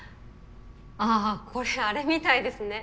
ああこれあれみたいですね。